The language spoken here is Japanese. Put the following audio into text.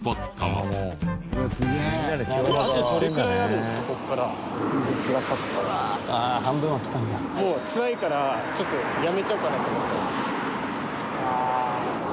もうつらいからちょっとやめちゃおうかなとか？